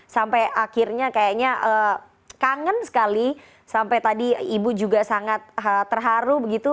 sampai akhirnya kayaknya kangen sekali sampai tadi ibu juga sangat terharu begitu